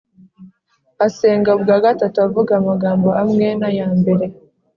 asenga ubwa gatatu avuga amagambo amwe n’aya mbere